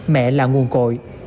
mẹ là nguồn cội